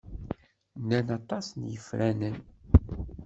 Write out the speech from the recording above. Llan aṭas n yifranen.